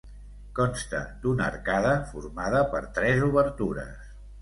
Consta d'una arcada formada per tres obertures.